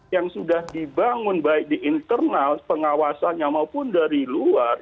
yang sudah dibangun baik di internal pengawasannya maupun dari luar